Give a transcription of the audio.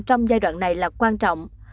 trong giai đoạn này là quan trọng